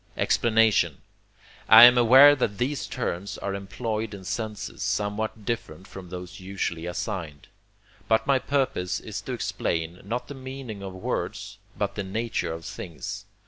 Explanation I am aware that these terms are employed in senses somewhat different from those usually assigned. But my purpose is to explain, not the meaning of words, but the nature of things.